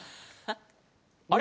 あれ？